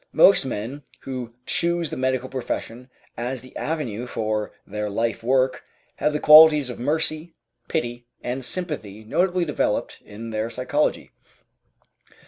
Most men who choose the medical profession as the avenue for their life work have the qualities of mercy, pity, and sympathy notably developed in their psychology.